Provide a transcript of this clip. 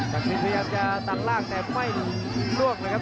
จังสิทธิ์พยายามจะตั้งล่างแต่ไม่ล่วงนะครับ